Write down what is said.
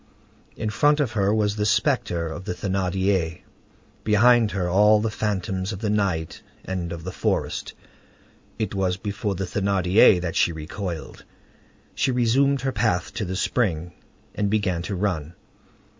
In front of her was the spectre of the Thénardier; behind her all the phantoms of the night and of the forest. It was before the Thénardier that she recoiled. She resumed her path to the spring, and began to run.